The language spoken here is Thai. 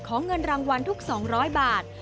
เงินรางวัลทุก๒๐๐บาท